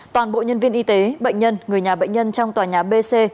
toàn bộ nhân viên y tế bệnh nhân người nhà bệnh nhân trong tòa nhà bc